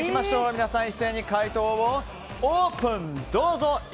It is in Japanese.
皆さん、一斉に解答をオープン。